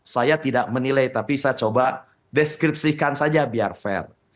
saya tidak menilai tapi saya coba deskripsikan saja biar fair